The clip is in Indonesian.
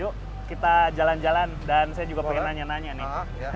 yuk kita jalan jalan dan saya juga pengen nanya nanya nih